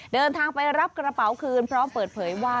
เดินทางไปรับกระเป๋าคืนพร้อมเปิดเผยว่า